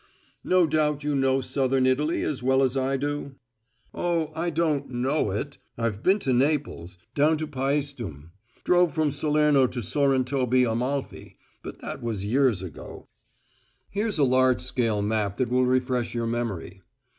"No doubt you know Southern Italy as well as I do." "Oh, I don't `know' it. I've been to Naples; down to Paestum; drove from Salerno to Sorrentoby Amalfi; but that was years ago." "Here's a large scale map that will refresh your memory."